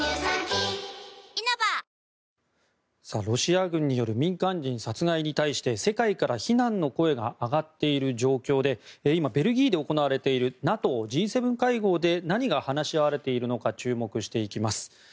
ロシア軍による民間人殺害に対して世界から非難の声が上がっている状況で今、ベルギーで行われているＮＡＴＯ・Ｇ７会合で何が話し合われているのか注目していきます。